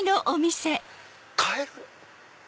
カエル。